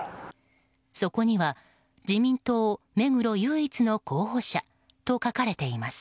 そこには「自民党目黒唯一の候補者！」と書かれています。